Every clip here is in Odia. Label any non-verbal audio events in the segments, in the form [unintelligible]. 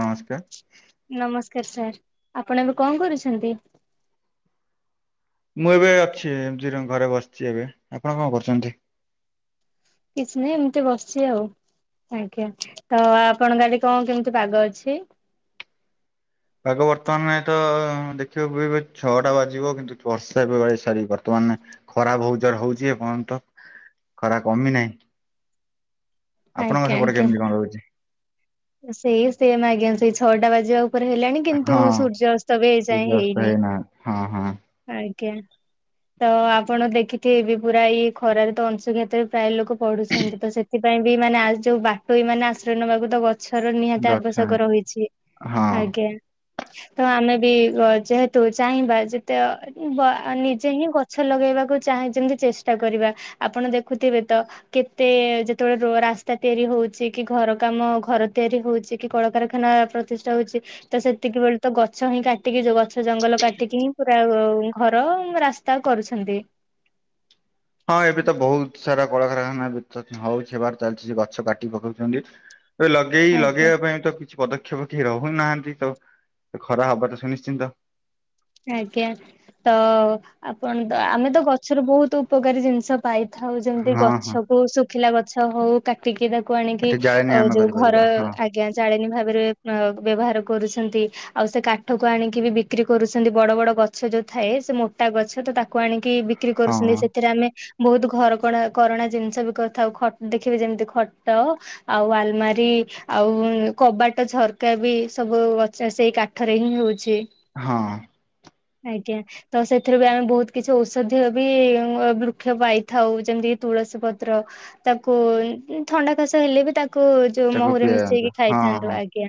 ନମସ୍କାର ନମସ୍କାର ସାର୍ ଆପଣ ଏବେ କଣ କରୁଛନ୍ତି? ମୁଁ ଏବେ ଅଛି ଏମତି ରଂ ଘରେ ବସିଚି ଏବେ ଆପଣ କଣ କରୁଚନ୍ତି? କିଛି ନାହିଁ ଏମିତି ବସ୍ଚି ଆଉ ଆଜ୍ଞା ତ ଆପଣଙ୍କ ଆଡେ କଣ କେମିତି ପାଗ ଅଛି? ପାଗ ବର୍ତ୍ତମାନ ତ ଦେଖିବ ଏ ଛଅଟା ବାଜିବ କିନ୍ତୁ ବର୍ଷା ଏବେବେ ସାର ବର୍ତ୍ତମାନେ ଖରା ବୋଉ ଜର ହଉଛି ଏପର୍ଯ୍ୟନ୍ତ ଖରା କମି ନାହିଁ। ଆପଣଙ୍କ ଆଜ୍ଞା ସେପଟେ ଆଜ୍ଞା। କେମିତି କଣ ରହୁଚି? ସେଇ ସେମ୍ ଆଜ୍ଞା ସେଇ ଛଅଟା ବାଜିବା ଆଉ ଉପରେ ହେଲାଣି କିନ୍ତୁ ହଁ ସୂର୍ଯସ୍ତ ବି ଏ ଯାଏ ସୂର୍ଯ୍ୟାସ୍ତ ହେଇନି ହେଇନାହାନ୍ତି ହଁ ହଁ ଆ ଆଜ୍ଞା ତ ଆପଣ ଦେଖିଥିବେ ବି ପୁରା ଇ ଖରାରେ ତ ଅଂଶୁଘାତରେ ପ୍ରାୟ ଲୋକ ପଢୁଛନ୍ତି ତ ସେଥି ପାଇଁ ବି ମାନେ ଆ ଯୋଉ ବାଟ ମେ ଆଶ୍ରୟ ନବାକୁ ତ ଗଛ୍ ର ନିହାତି ଗଛ ଆବଶ୍ୟକ ରହିଛି ହଁ। ଆଜ୍ଞା। ତ ଆମେ ବି ଯେହେତୁ ଚାହିଁବା ଯେତେ ନିଜେ ହିଁ ଗଛ ଲଗେଇବାକୁ ଚାଁ ଯେମିତି ଚେଷ୍ଟା କରିବା ଆପଣ ଦେଖୁଥିବେ ତ କେତେ ଯେତେବେଳେ ରାସ୍ତା ତିଆରି ହଉଛି କି ଘର କାମ ଘର ତିଆରି ହଉଛି କି କଳକାରଖାନା ପ୍ରତିଷ୍ଠା ହଉଛି ତ ସେତିକି ବେଳେ ତ ଗଛ ହିଁ କାଟିକି ଗଛ ଜଙ୍ଗଲ କାଟିକିହି ଆଉ ଘର ରାସ୍ତା କରୁଛନ୍ତି। ହଁ ଏବେ ତ ବହୁତ ସାରା କଳାକାରଖାନା ହଉଚି ବା ଚାଲିଛି ସେ ଗଛ କାଟି ପକଉଛନ୍ତି। ଲଗେଇ ଆଜ୍ଞା ଲଗେଇବା ପାଇଁ ତ କିଛି ପଦକ୍ଷେ ବ୍ରୁକ୍ଷ ବ୍ରୁକ୍ଷିର ରହୁନାହାନ୍ତି ତ ଖରା ହବା ତ ସୁନିଶ୍ଚିନ୍ତ। ଆଜ୍ଞା ତ ଆପଣ ଆମେ ତ ଗଛର ବହୁତ ଉପକାରୀ ଜିନିଷ ପାଇଥାଉ ଯେମିତି ହଁ ହଁ ଗଛକୁ ଶୁଖିଲା ଗ ଛ ହଉ କାଟିକି ତା କୁ ଆଣିକି ଏଠି ଜାଳେଣି ଆମେ ଯୋଉ ଘର କରିପାରିବା ହଁ ଆଜ୍ଞା ଜାଳେଣି ଭାବରେ ଅ ବ୍ୟବହାର କରୁଛନ୍ତି ଆଉ ସେ କାଠ କୁ ଆଣିକି ବି ବିକ୍ରି କରୁଛ ସେମତି ବଡ ବଡ ଗଛ ଯୋଉ ଥାଏ ସେ ମୋଟା ଗଛ ତ ତାକୁ ଆଣି କି ବିକ୍ରି ହଁ କରୁଛନ୍ତି ସେଥିରେ ଆମେ ବହୁତ ଘରକଣା କରଣା ଜିନିଷ ବି କରିଥାଉ ଖ ଦେଖିବି ଯେମିତି ଖଟ ଆଉ ଆଲମାରି ଆଉ କବାଟ ଝରକା ବି ସବୁ ସେଇ କାଠରେ ହିଁ ହଉ ହଁ। ଆଜ୍ଞା ତ ସେଥିରେ ବି ଆମେ ବହୁତ କିଛି ଔଷଧୀୟ ବି ବୃକ୍ଷ ପାଇଥାଉ ଯେମିତିକ ତୁଳସୀ ପତ୍ର ତାକୁ ଥଣ୍ଡା କାସ ହେଲେ ବି ତା ତା କୁ ଯୋଉ ତାକୁ ମହୁ ରେ ପିଆନ୍ତୁ ମିଶେଇକି ହଁ ଖାଇଥାନ୍ତୁ ହଁ। ଆଜ୍ଞା।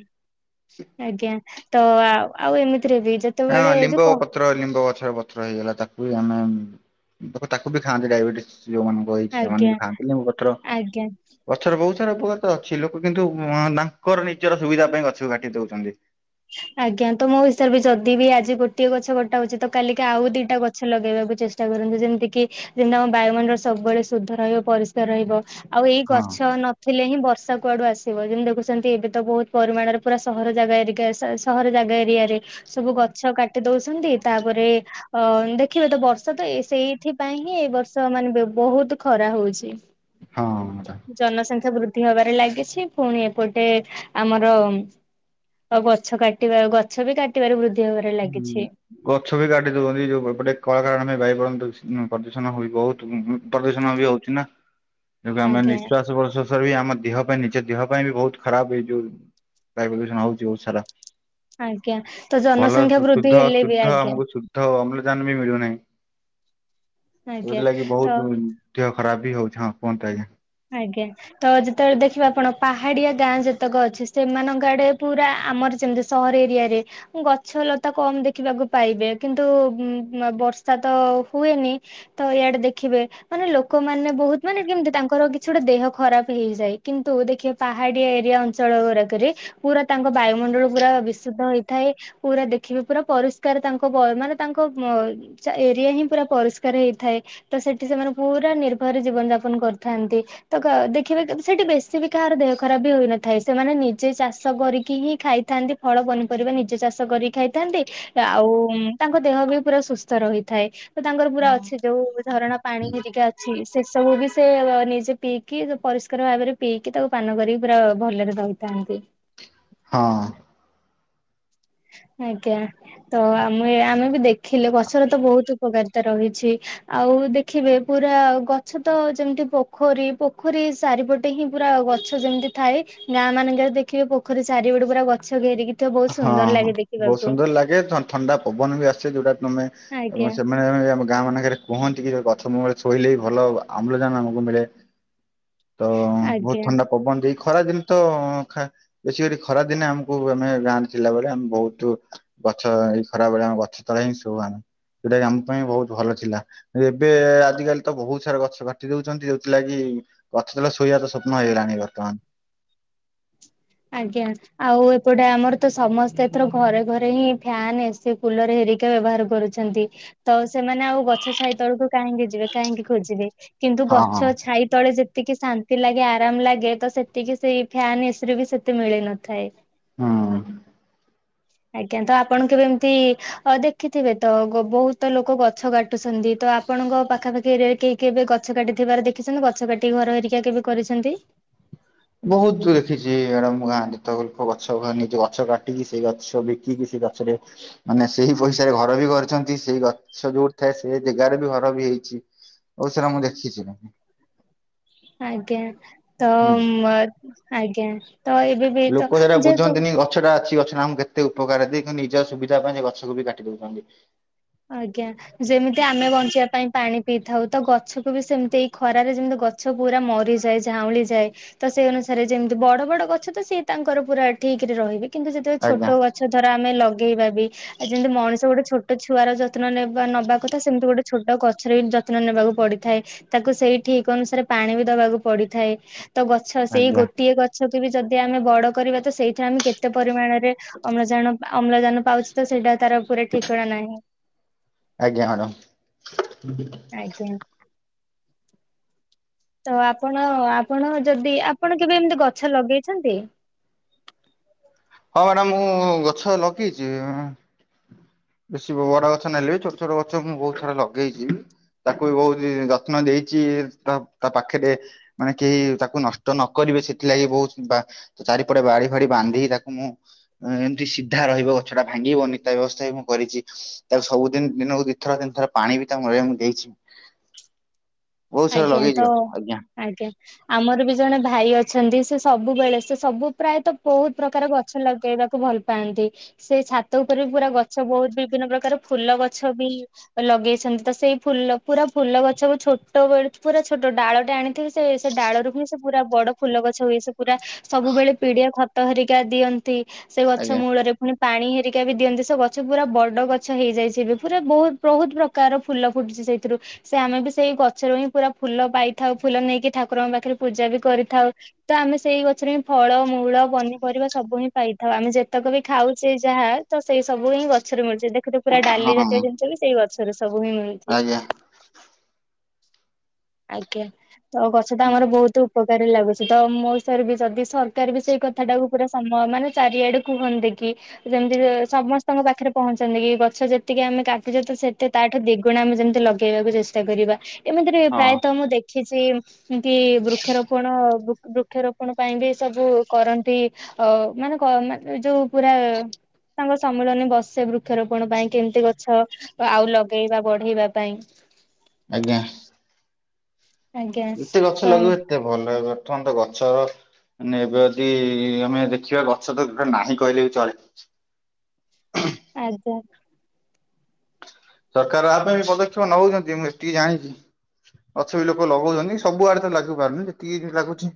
ଆଜ୍ଞା ତ ଆଉ ଏମିତିରେ ବି ହଁ ଯେତେବେଳେ ଯୋଉ ଲିମ୍ବ କ ପତ୍ର ଲିମ୍ବ ଗଛର ପତ୍ର ହେଇଗଲା ତାକୁ ବି ଆମେ ଲୋକ ତାକୁ ବି ଖାଆନ୍ତି ଡାଇବେଟିସ୍ ଯୋଉମାନଙ୍କୁ ହେଇଚି ସେମାନେ ଆଜ୍ଞା ବି ଖାଆନ୍ତି ଲେମ୍ବୁ ପତ୍ର ଆଜ୍ଞା ଗଛରେ ବହୁତ୍ ଗଛ ଉପକାର ତ ଅଛି ଲୋକ କିନ୍ତୁ ତାଙ୍କର ନିଜର ସୁବିଧା ପାଇଁ ଗଛକୁ କାଟି ଦଉଛନ୍ତି। ଆଜ୍ଞା ତ ମୋ ହିସାବରେ ବି ଯଦି ବି ଆଜି ଗୋଟିଏ ଗଛ ଗଟା ହଉଛି ତ କାିକି ଆଉ ଦିଟା ଗଛ ଲଗେଇବାକୁ ଚେଷ୍ଟା କରନ୍ତୁ ଯେମିତିକି ଆମ ବାୟୁମଣ୍ଡଳ ସବୁବେଳେ ଶୁଦ୍ଧ ରହିବ ପରିଷ୍କାର ରହିବ। ଆଉ ଏଇ ହଁ ଗଛ ନଥିଲେ ହିଁ ବ ବର୍ଷା କୁଆଡୁ ଆସିବ ଯେମିତି ଦେଖୁଛନ୍ତି ଏବେ ତ ବହୁତ ପରିମାଣରେ ପୁରା ସହର ଜାଗା ଏରିକା ଏସି ସହର ଜାଗା ଏରିଆରେ ସବୁ ଗଛ କାଟି ଦଉଛନ୍ତି ତାପରେ ଅ ଦେଖିବେ ତ ବର୍ଷ ତ ସେଇଥିପାଇଁ ହିଁ ଏ ବର୍ଷ ମାନେ ବହୁତୁ ଖରା ହଉଛି। ହଁ ଟା ଜନସଂଖ୍ୟା ବୃ ବୃଦ୍ଧି ହବାରେ ଲାଗିଛି ପୁଣି ଏପଟେ ଆମର ଗଛ କାଟିବା ଗଛ ବି କାଟିବାରେ ବୃଦ୍ଧି। ହେବାରେ ହୁଁ ଲାଗିଛି ଗଛ ବି କାଟି ଦଉଚନ୍ତି ଯୋଉ ଏପଟେ କଳକାରଖାନା [unintelligible] ଉଁ ପ୍ରଦୂଷଣ ହୁଏ ବହୁତ୍ ପ୍ରଦୂଷଣ ବି ହଉଚି ନା। ଆମେ ଆଜ୍ଞା ନିଃଶ୍ୱାସ ପ୍ରଶ୍ୱାସରେ ବି ଆମ ଦେହ ପାଇଁ ନି ଦେହ ପାଇଁ ବି ବହୁତ ଖରାପ ଏଇ ଯୋଉ ବାୟୁ ପ୍ରଦୂଷଣ ହଉଛି ବହୁତ ସାରା। ଆଜ୍ଞା। ତ ଭଲ ଜନସଂଖ୍ୟା ବୃଦ୍ଧି ଶୁଦ୍ଧ ହେଲେ ବି ଶୁଦ୍ଧ ଆଜ୍ଞା ଆମକୁ ଶୁଦ୍ଧ ଅମ୍ଲଜାନ ବି ମିଳୁନାହିଁ। ଆଜ୍ଞା ଯଉଥିଲାଗି ତ ବହୁତ ଦେହ ଖରାପ୍ ବି ହଉଛି ହଁ କୁହନ୍ତୁ ଆଜ୍ଞା। ଆଜ୍ଞା ତ ଯେତେବେଳେ ଦେଖିବ ଆପଣ ପାହାଡିଆ ଗାଁ ଯେତେକ ଅଛି ସେମାନଙ୍କ ଆଡେ ପୁରା ଆମର ଯେମିତି ସହର ଏରିଆରେ ଗଛଲତା କମ ଦେଖିବାକୁ ପାଇବେ କିନ୍ତୁ ବର୍ଷା ତ ହୁଏନି ତ ଇଆଡେ ଦେଖିବେ ମାନେ ଲୋକମାନେ ବହୁତ ମାନେ କେମତି ତା। ଙ୍କର କିଛି ଗୋଟେ ଦେହ ଖରାପ ହେଇଯାଏ ।କିନ୍ତୁ ଦେଖିବେ ପାହାଡିଆ ଏରିଆ ଅଞ୍ଚଳ ଗୁରାକରେ ପୁରା ତାଙ୍କ ବାୟୁମଣ୍ଡଳ ପୁରା ବିଶୁଦ୍ଧ ହେଇଥାଏ ।ପୁରା ଦେଖିବେ ପୁରା ପରିଷ୍କାର ତାଙ୍କ ମାନେ ତାଙ୍କ ଏରିଆ ହିଁ ପୁରା ପରିଷ୍କାର ହେଇଥାଏ। ତ ସେଠି ସେମାନେ ପୁରା ନିର୍ଭୟରେ ଜୀବନ ଯାପନ କର୍ ଥାନ୍ତି ତ କ ଦେଖିବେ ସେଠି ବେଶୀ ବି କାହାର ଦେହ ଖରାପ ବି ହୋଇନଥାଏ ।ସେମାନେ ନିଜେ ଚାଷ କରିକି ହିଁ ଖାଇଥାନ୍ତି। ଫଳ ପନିପରିବା ନିଜେ ଚାଷ କରିକି ଖାଇଥାନ୍ତି ।ଆଉ ତାଙ୍କ ଦେହ ବି ପୁରା ସୁସ୍ଥ ରହିଥାଏ ।ତ ତାଙ୍କର ପୁରା ଅଛି ଯୋଉ ଝରଣା ପାଣି ହେରିକା ଅଛି ସେ ସବୁ ବି ସେ ନିଜେ ପିଇକି ପରିଷ୍କାର ଭାବରେ ପିଇକି ତାକୁ ପାନ କରିକି ପୁରା ଭଲରେ ରହିଥାନ୍ତି। ହଁ। ଆଜ୍ଞା ତ ଆମେ ଆମେ ବି ଦେଖିଲେ ଗଛର ତ ବହୁତ ଉପକାରିତା ରହିଛି ଆଉ ଦେଖିବେ ପୁରା ଗଛ ତ ଯେମିତି ପୋଖରୀ ପୋଖରୀ ଚାରିପଟେ ହିଁ ପୁରା ଗଛ ଯେମିତି ଥାଏ ଗାଁଆ ମାନଙ୍କରେ ଦେଖିବେ ପୋଖରୀ ଚାରିପଟେ ପୁରା ଗଛ ଘେରିକି। ତ ବହୁତ ସୁନ୍ଦର ହଁ ହଁ ଲାଗେ ବହୁତ ଦେଖିବାକୁ ସୁନ୍ଦର ଲାଗେ ଥଣ୍ଡା ପବନ ବି ଆସେ ଯୋଉଟା ତମେ। ଆଜ୍ଞା ସେମାନେ ଆମ ଗାଁ ମାନକରେ ପହଂ ଟିକେ ଗଛ ମୂଳରେ ଶୋଇଲେ ଭଲ ଅମ୍ଳଜାନ ଆମକୁ ମିଳେ। ତ ବହୁତ ଆଜ୍ଞା। ଥଣ୍ଡା ପବନ ଦେଇ ଖରା ଦିନେ ତ ଖ ବେଶୀ କରି ଖରା ଦିନେ ଆମକୁ ଆମେ ଗାଁରେ। ଥିଲାବେଳେ ଆମେ ବହୁତ ଗଛ ଏଇ ଖରା ବଳେ ଆମ ଗଛ ତଳେ ହିଁ ଶୋଉଁ ଆମେ ଯୋଉଟା ଆମ ପାଇଁ ବହୁତ ଭଲ ଥିଲା ଏବେ ଆଜିକାଲି ତ ବହୁତ ସାରା ଗଛ କାଟି ଦେଉଚନ୍ତି। ଯୋଉଥିଲାଗି ଗଛ ତଳେ ଶୋଇବା ତ ସ୍ୱପ୍ନ ହେଇଗଲାଣି ବର୍ତ୍ତମାନ। ଆଜ୍ଞା ଆଉ ଏପଟେ ଆମର ତ ସମସ୍ତେ ଏଥର ଘରେ ଘରେ ହିଁ ଫ୍ୟାନ ଏସି କୁଲର ହେରିକି ବ୍ୟବହାର କରୁଛନ୍ତି ତ ସେମାନେ ଆଉ ଗଛ ଛାଇ ତଳକୁ କାହିଁକି ଯିବେ କାହିଁକି ଖଜିବେ କିନ୍ତୁ ହଁ। ଗଛ ଛାଇ ତଳେ ଯେ ଟିକେ ଶାନ୍ତି ଲାଗେ ଆରାମ ଲାଗେ ତ ସେତିକି ସେଇ ଫ୍ୟାନ୍ ଏସିରୁ ବି ସେ ନ୍ତି ମିଳି ନଥାଏ। ହଁ। ଆଜ୍ଞା ତ ଆପଣ ଙ୍କ ର ଏମିତି ଅ ଦେଖିଥିବେ ତ ବହୁତ ଲୋକ ଗଛ କାଟୁଛନ୍ତି ତ ଆପଣଙ୍କ ପାଖାପାଖିରେ କେହି କେବେ ଗଛ କାଟିଥିବାର ଦେଖିଛନ୍ତି? ଗଛ କାଟିି ଘର ହେରିକି କେବେ କରିଛନ୍ତି? ବହୁତ ଦେଖିଚି ଆମ ଗାଁ ରେ ତ [unintelligible] ଲୋକ ଗଛ କାଟିକି ସେଇ ଗଛ ବିକିକି ସେ ଗଛରେ ମାନେ ସେଇ ପଇସାରେ ଘର ବି କରିଛନ୍ତି ସେଇ ଗଛ ଯୋଉଠି ଥାଏ ସେ ଜାଗାରେ ବି ଘର ବି ହେଇଛି ।ବହୁତ ସାରା ମୁଁ ଦେଖିଛି । ଆଜ୍ଞା। ତ ଆଜ୍ଞା। ତ ଏବେ ବି ତ ଲୋକ ସେଟା ଯେହେତୁ ବୁଝନ୍ତିନି ଗଛଟା ଅଛି ଗଛ ଆମକୁ କେତେ ଉପକାର ଦିଏ ନିଜ ସୁବିଧା ପାଇଁ ସେ ଗଛକୁ ବି କାଟି ଦଉଚନ୍ତି। ଆଜ୍ଞା ଯେମିତି ଆମେ ବଞ୍ଚିବା ପାଇଁ ପାଣି ପିଇଥାଉ। ତ ଗଛକୁ ବି ସେମିତି ଏଇ ଖରାରେ ଯେମିତି ଗଛ ପୁରା ମରିଯାଏ ଝାଉଁଳିଯାଏ ତ ସେଇ ଅନୁସାରେ ଯେମିତି ବଡ ବଡ ଗଛ ତ ସିଏ ତାଙ୍କର ପୁରା ଠିକ ରେ ରହିବେ। କିନ୍ତୁ ଯେତେବେଳେ ଆଜ୍ଞା ଛୋଟ ଗଛ ଧର ଆମେ ଲ ଗେଇବା ବି ଆଉ ଯେମିତି ମଣିଷ ଗୋଟେ ଛୋଟ ଛୁଆର ଯତ୍ନ ନେବା ନେବା କଥା ସେମିତି ଗୋଟେ ଛୋଟ ଗଛର ବି ଯତ୍ନ ନେବାକୁ ପଡିଥାଏ ତାକୁ ସେଇ ଠିକ ଅନୁସାରେ ପାଣି ବି ଦବାକୁ ପଡିଥାଏ। ତ ଗଛ ସେଇ ଆଜ୍ଞା ଗୋଟିଏ ଗଛ ଗଛକୁ ବି ଯଦି ଆମେ ବଡ କରିବା ତ ସେଇଠାରେ ଆମେ କେତେ ପରିମାଣରେ ଅମ୍ଳଜାନ ଅମ୍ଳଜାନ ପାଉଛେ ତ ସେଇଟା। ତାର ପୁରା ଠିକଣା ନାହିଁ। ଆଜ୍ଞା ମ୍ୟାଡ଼ାମ। ହ ଆଜ୍ଞା [inaudible] [inaudible] ତ ଆପଣ ଆପଣ ଯଦି ଆପଣ କେବେ ଏମିତି ଗଛ ଲଗେଇଛନ୍ତି? ହ ମ୍ୟାଡ଼ାମ ମୁଁ ଗଛ ଲଗେଇଛି। ବେଶୀ ବଡ ଗଛ ନେଲେ ଛୋଟ ଛୋଟ ଗଛ ମୁଁ ବହୁତ ସାରା ଲଗେଇଛି ତାକୁ ବହୁତ ହି ଯତ୍ନ ଦେଇଛି ତା ପାଖରେ ମାନେ କେହି ତାକୁ ନଷ୍ଟ ନ କରିବେ ସେଥିଲାଗି ବହୁତ ଚାରିପଟେ ବାଡି ଫାଡି ବାନ୍ଧି ତାକୁ ମୁଁ ଏମିତି ସିଧା ରହିବ ଗଛଟା ଭାଙ୍ଗିବନି ତା ବ୍ୟବସ୍ଥା ବି ମୁଁ କରିଛି ତା ସବୁ ଦିନ ଦିନକୁ ଦୁଇ ଥର ତିନି ଥର ପାଣି ବି ତା ମୂଳରେ ଦେଇଛି। ବହୁତ ସାରା ଆଜ୍ଞା ଲଗେଇଛି ତ ଗଛ ଆଜ୍ଞା ଆଜ୍ଞା ଆମର ବି ଜଣେ ଭାଇ ଅଛନ୍ତି ସେ ସବୁବେଳେ ସେ ସବୁ ପ୍ରାୟତଃ ବହୁତ ପ୍ରକାର ଗଛ ଲଗେଇବାକୁ ଭଲ ପାଆନ୍ତି ସେ ଛାତ ଉପରେ ବି ପୁରା ଗଛ ବହୁତ ବିଭିନ୍ନ ପ୍ରକାର ଫୁଲ ଗଛ ବି ଲଗେଇଛନ୍ତି ତ ସେଇ ଫୁଲ ପୁରା ଫୁଲ ଗଛକୁ ଛୋଟ ଛୋଟ ବେଳୁ ପୁରା ଛୋଟ ଡାଳଟେ ଆଣିଥିବେ ସେ ଡାଳରୁୁ ସେ ପୁରା ବଡ ଫୁଲ ଗଛ ହୁଏ ସବୁ ପୁରା ସବୁବେଳେ ପିଡିଆ ଖତ ଖତ ହେରିକା ଦିଅନ୍ତି ନ୍ତି ସେ ଗଛ ଆଜ୍ଞା ମୂଳରେ ପୁଣି ପାଣି ହେରିକା ବି ଦିଅନ୍ତି ସେ ଗଛ ପୁରା ବଡ ଗଛ ହେଇଯାଇଛି ଏବେ ପୁରା ବହୁତ ବହୁତ ପ୍ରକାର ଫୁଲ ଫୁଟୁଛି ସେଇଥିରୁ ସେ ଆମେ ବି ସେଇ ଗ ଗଛରୁ ହିଁ ପୁରା ଫୁଲ ପାଇଥାଉ ଫୁଲ ନେଇକି ଠାକୁରଙ୍କ ପାଖରେ ପୂଜା ବି କରିଥାଉ ତ ଆମେ ସେଇ ଗଛରୁ ହିଁ ଫଳ ମୂଳ ପନିପରିବା ସବୁ ହିଁ ପାଇଥାଉ ଆମେ ଯେତକ ବି ଖାଉଛେ ଯାହା ତ ସେଇ ସବୁ ହିଁ ଗଛରୁ ମିଳେ। ଦେଖୁଥିବ ପୁରା ହଁ ଡାଲି ହଁ, ଜାତୀୟ ଜିନିଷ ବି ସେଇ ଗଛରୁ ସବୁ ହିଁ ମିଳୁଛି। ଆଜ୍ଞା ହ। ଆଜ୍ଞା। ଆଉ ଗଛ ତ ଆମର ବହୁତ ଉପ କାରରେ ଲାଗୁଛି ତ ମୋ ହିସାବରେ ବି ଯଦି ସରକାର ବି ସେଇ କଥା ଟାକୁ ପୁରା ସମୟ ମାନେ ଚାରିଆଡେ କୁହନ୍ତେ କି ଯେମିତି ସମସ୍ତଙ୍କ ପାଖରେ ପହଞ୍ଚନ୍ତି କି ଗଛ ଯେତିକି ଆମେ କାଟୁଛେ ତ ସେ ତାଠୁ ଦିଗୁଣ ଆମେ ଯେମିତି ଲଗେଇବାକୁ ଚେଷ୍ଟା କରିବା ଏମିତି ହଁ ପ୍ରାୟତଃ ମୁଁ ଦେଖି କିଛି ଏମତି ବୃକ୍ଷରୋପଣ ବୃକ୍ଷ ବୃକ୍ଷରୋପଣ ପାଇଁ ବି ସବୁ କରନ୍ତି ଅ ମାନେ ମାନେ ଯୋଉ ପୁରା ତାଙ୍କ ସମ୍ମିଳନୀ ବସେ ବୃକ୍ଷରୋପଣ ପାଇଁ କେମିତି ଗଛ ଆଉ ଲଗେଇବା ବଢେଇବା ପାଇଁ ଆଜ୍ଞା। ଆଜ୍ଞା ଯେତେ ଗଛ ତ ଲଗେଇବ ସେତେ ଭଲ ହେବ। ପ୍ରଥମ ତ ଗଛ ନେବେ ଯଦି ଆମେ ଦେଖିବା ଗଛ ତ ଗୋଟେ ନାହିଁ କହିଲେ ବି ଚଳେ। ସେ ସରକାର ଆ ପାଇଁ ବି ପଦକ୍ଷେପ ନଉଛନ୍ତି ମୁଁ ଏତିକି ଜାଣିଛି ଗଛ ବି ଲୋକ ଲଗଉଛନ୍ତି ସବୁ ଆଡେ ତ ଲାଗି ପାରୁନି ଯେତିକି ଲାଗୁଛି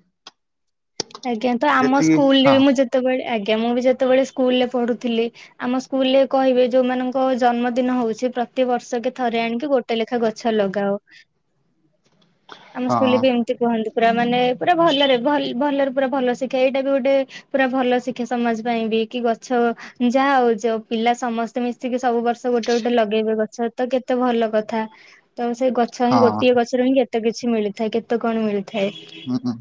ଆଜ୍ଞା ତ ଆମ ଯେତିକି ସ୍କୁଲରେ ହଁ ବି ମୁଁ ଯେତେବେଳେ ଆଜ୍ଞା ମୁଁ ବି ଯେତେବେଳେ ସ୍କୁଲରେ ପଢୁଥିଲି ଆମ ସ୍କୁଲ ରେ କହିବେ ଯୋଉମାନଙ୍କ ଜନ୍ମଦିନ ହଉଛି ପ୍ରତି ବର୍ଷକେ ଥରେ ଆଣିକି ଗୋଟେ ଲେଖା ଗଛ ଲଗାଅ। ଆମ ସ୍କୁଲରେ ହଁ ବି ଏମିତି କୁହନ୍ତି। ପୁରା ମାନେ ପୁରା ଭଲରେ ଭଲ ଭଲରେ ପୁରା ଭଲ ଶିକ୍ଷା ଏଇଟା ବି ଗୋଟେ ପୁରା ଭଲ ଶିକ୍ଷା ସମାଜ ପାଇଁ ବି କି ଗଛ ଯାହା ହଉଛି ହଉ ପିଲା ସମସ୍ତେ ମିଶିକି ସବୁ ବର୍ଷ ଗୋଟେ ଗୋଟେ ଲଗେଇବେ ଗଛ ତ କେତେ ଭଲ କଥା। ତ ସେ ଗଛ ହିଁ ହଁ ଗୋଟିଏ ଗଛରୁ ହିଁ କେ କେତେ କିଛି ମିଳିଥାଏ କେତେ କଣ ମିଳିଥାଏ। ଥାଏ। ହୁଁ,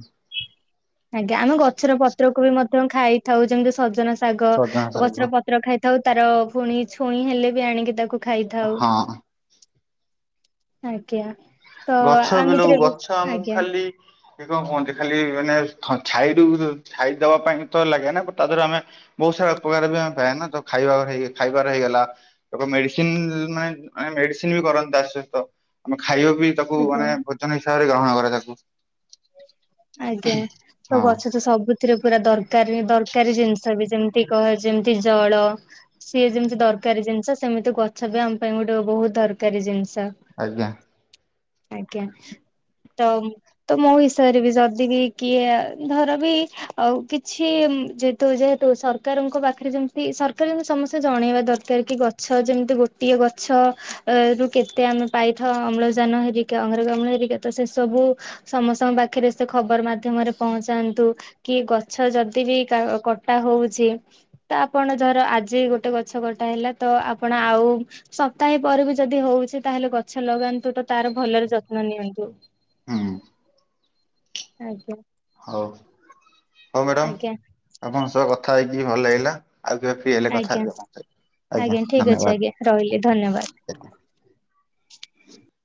ଆଜ୍ଞା ଆମେ ଗଛର ପତ୍ରକୁ ବି ମଧ୍ୟ ଖାଇଥାଉ ଯେମିତି ସଜନା ସା ଶାଗ ସଜନା ଶାଗ ଗଛର ପତ୍ର ଖାଇ ଖାଉ ତାର ପୁଣି ଛୁଇଁ ହେଲେ ବି ଆଣିକି ତାକୁ ଖାଇଥାଉ। ହଁ ଆଜ୍ଞା। ତ ଗଛ ବିଲୋଉ ଆମିତିରେ ବି ଗଛ ଆମକୁ ଆଜ୍ଞା ଖାଲି ସେ କଣ କୁହନ୍ତି ଖାଲି ମାନେ ଥ ଛାଇ ରୁ ଛାଇ ଦେବା ପାଇଁ ତ ଲାଗେ ନା ବଟ ତା ଦେହରେ ଆମେ ବହୁତ ସାରା ଉପକାର ବି ଆମେ ପାଇଆ ନା ତ ଖାଇବା ହେ ଇ ଖାଇବାର ହେଇଗଲା ତ ପ ମେଡିସିନ ନାଇଁ ମେଡିସିନ ବି କରନ୍ତି ତା ସହିତ ଆମେ ଖାଇବା ବି ତାକୁ ମାନେ ଆଜ୍ଞା ଭୋଜନ ହିସାବରେ ଗ୍ରହଣ କର ତାକୁୁ ଆଜ୍ଞା ତ ଗଛ ତ ସବୁ ଥିରେ ପୁରା ଦର ଦରକାରୀ ଜିନିଷ ବି ଯେମିତି କହ ଯେମତି ଜଳ ସିଏ ଯେମିତି ଦରକାରୀ ଜିନିଷ ସେମିତି ଗଛ ବି ଆମ ପାଇଁ ଗୋଟେ ବହୁତ ଦରକାରୀ ଜିନିଷ। ଆଜ୍ଞା। ଆଜ୍ଞା ତ ତ ମୋ ବସୟରେ ବି ଯଦି ବି କିଏ ଧର ବି ଆଉ କିଛି ଯେହେତୁ ଯେହେତୁ ସରକାରଙ୍କ ପାଖରେ ଯେମତି ସରକାର ଯେମତି ସମସ୍ତେ ଜଣେଇବା ଦରକାର କି ଗଛ ଯେମିତି ଗୋଟିଏ ଗଛ ରୁ କେତେ ଆମେ ପାଇଥାଉ ଅମ୍ଳଜାନ ହେରିକି ଅଙ୍ଗାରକାମ୍ଳ ହେରିକା ତ ସେ ସବୁ ସମସ୍ତଙ୍କ ପାଖରେ ସେ ଖବର ମାଧ୍ୟମରେ ପହଞ୍ଚାନ୍ତୁ କି ଗଛ ଯଦି ବି କା କଟା ହଉଛି ତ ଆପଣ ଧର ଆଜି ଗୋଟେ ଗଛ କଟା ହେଲା ତ ଆପଣ ଆଉ ସପ୍ତାହେ ପରେ ବି ଯଦି ହଉଛି ତାହେଲେ ଗଛ ଲଗାନ୍ତୁ ତ ତାର ଭଲରେ ଯତ୍ନ ନିଅନ୍ତୁ। ହୁଁ । ଆଜ୍ଞା। ହଉ। ହଉ ମ୍ୟାଡ଼ାମ ଆଜ୍ଞା ଆପଣଙ୍କ ସହ କଥା ଥାଇକି ବି ଭଲ ଲାଗିଲା। ଆଉ କେବେ ଫ୍ରି ହେଲେ କଥା ଆଜ୍ଞା ହେବି ଆପଣଙ୍କ ସହ ଆଜ୍ଞା ଠିକ ଅଛି ଧନ୍ୟବାଦ ଆଜ୍ଞା ରହିଲି ଧନ୍ୟବାଦ। ଆଜ୍ଞା।